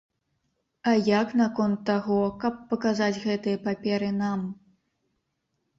А як наконт таго, каб паказаць гэтыя паперы нам?